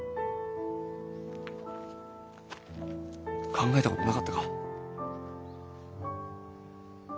考えたことなかったか？